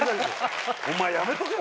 お前やめとけよ